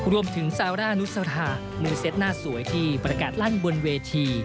รวมถึงซาร่านุษราธามือเซตหน้าสวยที่ประกาศลั่นบนเวที